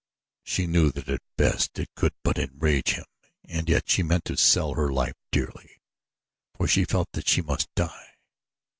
She knew that at best it could but enrage him and yet she meant to sell her life dearly, for she felt that she must die.